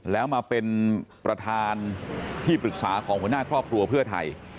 แล้วมาเป็นประธานที่ปรึกษาของหัวหน้าครอบครัวเพื่อไทย